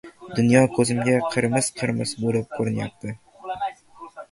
«Dunyo ko‘zimga qirmiz-qirmiz bo‘lib ko‘rinayapti».